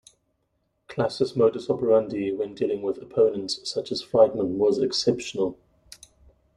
Klass's modus operandi when dealing with opponents such as Friedman was exceptional.